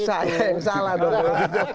saya yang salah dong